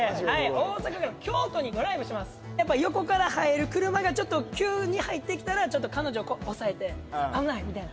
でまずやっぱ横から入る車がちょっと急に入ってきたらちょっと彼女をこう押さえて「危ない」みたいな。